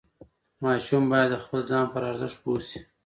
ماشوم باید د خپل ځان پر ارزښت پوه شي.